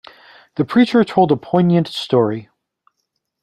The preacher told a poignant story.